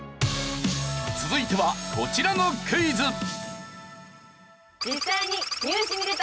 続いてはこちらのクイズ。